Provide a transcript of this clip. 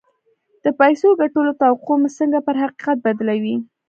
د پيسو ګټلو توقع مو څنګه پر حقيقت بدلوي؟